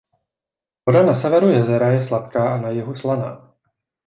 Voda na severu jezera je sladká a na jihu slaná.